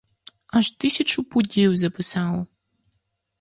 Аж тисячу пудів записав!